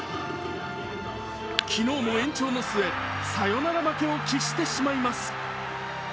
昨日も延長の末、サヨナラ負けを喫してしまいます。